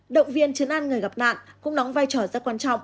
động viên chấn an người gặp nạn cũng đóng vai trò rất quan trọng